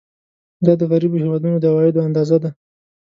دا د غریبو هېوادونو د عوایدو اندازه ده.